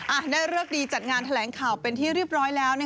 อ่านั่นบันไดดีจัดงานแถลงข่าวเป็นที่เรียบร้อยแล้ว